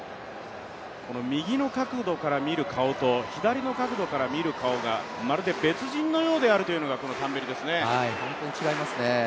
右の角度から見る顔と左の角度から見る顔がまるで別人のようであるというのが、このタンベリですね。